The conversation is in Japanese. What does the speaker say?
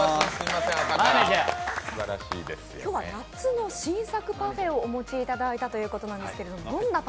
今日は夏の新作パフェをお持ちいただいたということです。